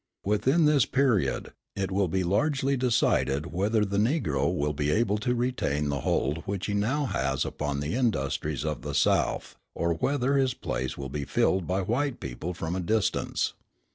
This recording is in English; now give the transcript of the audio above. Within this period it will be largely decided whether the Negro will be able to retain the hold which he now has upon the industries of the South or whether his place will be filled by white people from a distance.